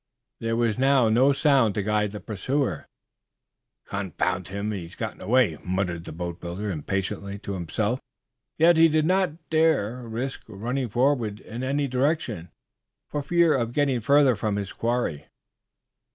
There was now no sound to guide the pursuer. "Confound him, if he has gotten away," muttered the boatbuilder, impatiently, to himself. Yet he did not dare risk running forward in any direction, for fear of getting further from his quarry.